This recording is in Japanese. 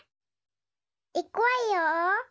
いくわよ！